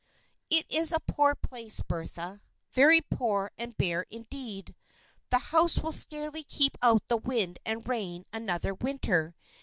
"It is a poor place, Bertha; very poor and bare indeed. The house will scarcely keep out the wind and rain another winter.